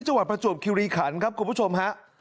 จังหวัดประจวบคิวรีขันครับคุณผู้ชมฮะ